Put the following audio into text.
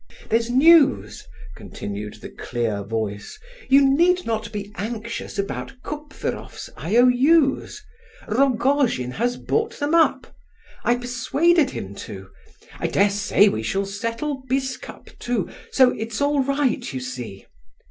"There's news!" continued the clear voice. "You need not be anxious about Kupferof's IOU's—Rogojin has bought them up. I persuaded him to!—I dare say we shall settle Biscup too, so it's all right, you see!